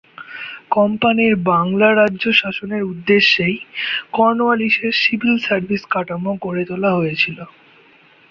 কোম্পানির বাংলা রাজ্য শাসনের উদ্দেশ্যেই কর্নওয়ালিসের সিভিল সার্ভিস কাঠামো গড়ে তোলা হয়েছিল।